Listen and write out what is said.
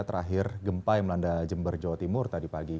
terakhir gempa yang melanda jember jawa timur tadi pagi